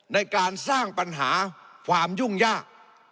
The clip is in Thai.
ในการสร้างปัญหาความยุ่งยาก